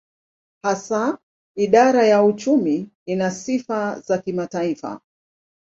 Hasa idara ya uchumi ina sifa za kimataifa.